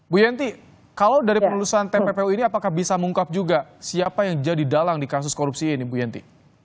bu yenti kalau dari penulisan tppu ini apakah bisa mengungkap juga siapa yang jadi dalang di kasus korupsi ini bu yenti